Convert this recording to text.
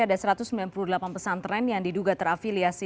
ada satu ratus sembilan puluh delapan pesantren yang diduga terafiliasi